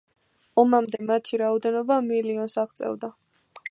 ომამდე მათი რაოდენობა მილიონს აღწევდა.